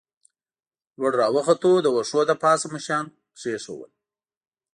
لوړ را وختو، د وښو له پاسه مو شیان کېښوول.